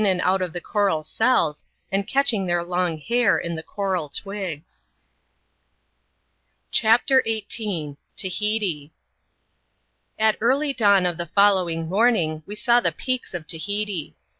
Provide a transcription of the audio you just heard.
and out of the coral cells, and catching their long hair in the coial twigs. CHAi xviii.] TAHITI. 65 CHAPTER XVIII. Tahiti. At early dawn of the following morning we saw the Peaks of Tahiti.